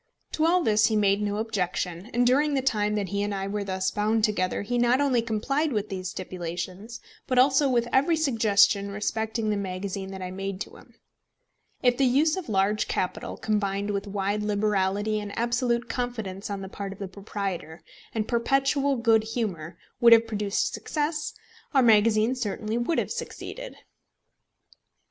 To all this he made no objection; and during the time that he and I were thus bound together, he not only complied with these stipulations, but also with every suggestion respecting the magazine that I made to him. If the use of large capital, combined with wide liberality and absolute confidence on the part of the proprietor, and perpetual good humour, would have produced success, our magazine certainly would have succeeded.